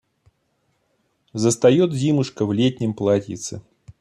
Застает зимушка в летнем платьице.